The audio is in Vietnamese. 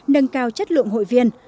nâng cao chất lượng hội viên